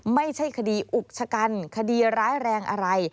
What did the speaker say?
ไม่ใช่คดีอุกชะกันคดีร้ายแรงอะไร